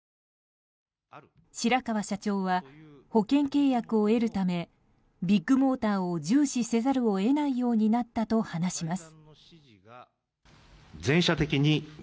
白川社長は保険契約を得るためビッグモーターを重視せざるを得ないようになったと話します。